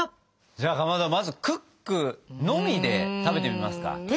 じゃあかまどまずクックのみで食べてみますか。